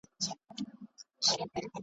پروازونه یې څښتن ته تماشا وه .